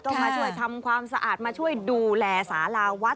ก็มาช่วยทำความสะอาดมาช่วยดูแลสาราวัด